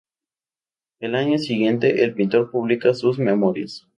El año siguiente el pintor publica sus memorias.